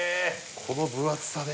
この分厚さで？